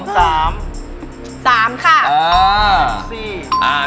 ๓ค่ะ